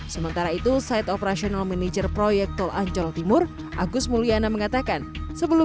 sementara itu site operational manager proyek tol ancol timur agus mulyana mengatakan sebelum